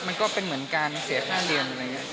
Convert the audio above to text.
มันก็เป็นเหมือนการเสียค่าเรียนอะไรอย่างนี้